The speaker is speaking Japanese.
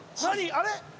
あれ？